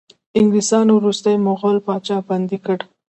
انګلیسانو وروستی مغول پاچا بندي کړ.